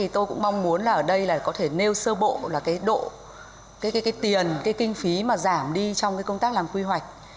tôi cũng mong muốn ở đây có thể nêu sơ bộ độ tiền kinh phí mà giảm đi trong công tác làm quy hoạch